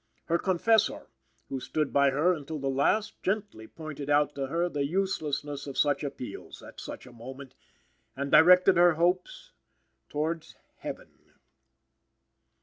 Her confessor, who stood by her until the last, gently pointed out to her the uselessness of such appeals, at such a moment, and directed her hopes towards Heaven.